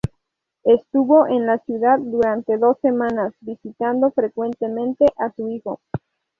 Estuvo en la ciudad durante dos semanas, visitando frecuentemente a su hijo.